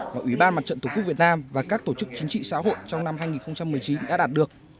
mà ủy ban mặt trận tổ quốc việt nam và các tổ chức chính trị xã hội trong năm hai nghìn một mươi chín đã đạt được